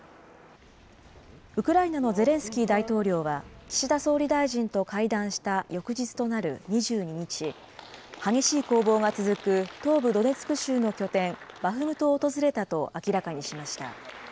ウクライナのゼレンスキー大統領は、岸田総理大臣と会談した翌日となる２２日、激しい攻防が続く東部ドネツク州の拠点、バフムトを訪れたと明らかにしました。